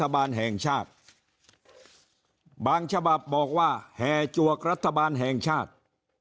บางฉบับบอกว่าแห่จวกรัฐบาลแห่งชาติ